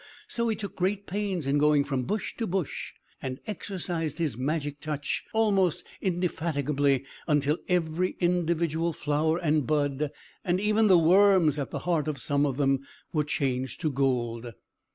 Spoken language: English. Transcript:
So he took great pains in going from bush to bush, and exercised his magic touch most indefatigably; until every individual flower and bud, and even the worms at the heart of some of them, were changed to gold.